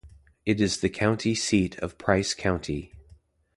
It is the county seat of Price County.